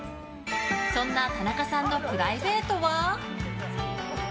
そんな田中さんのプライベートは。